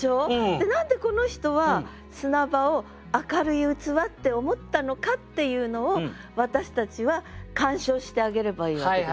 で何でこの人は砂場を明るい器って思ったのかっていうのを私たちは鑑賞してあげればいいわけです。